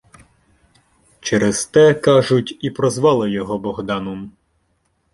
Через те, кажуть, і прозвали його Богданом.